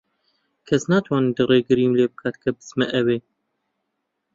کەس ناتوانێت ڕێگریم لێ بکات کە بچمە ئەوێ.